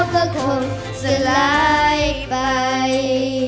มันจะร้ายไป